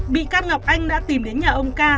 bị can ngọc anh đã tìm đến nhà ông ca